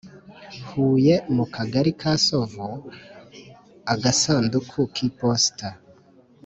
Huye mu kagari ka Sovu Agasanduku k’iposita